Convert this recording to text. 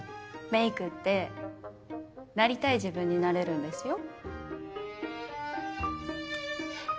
メイクってなりたい自分になれるんですよ。